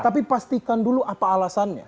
tapi pastikan dulu apa alasannya